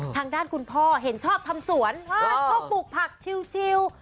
ทางด้านคุณพ่อเห็นชอบทำสวนชอบปลูกผักชิล